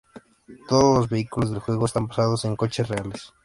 Todos los vehículos del juego están basados en coches reales.